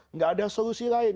nggak ada solusi lain